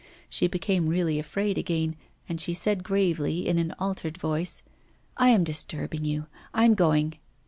She became really afraid again, and she said gravely, in an altered voice: 'I am disturbing you; I am going.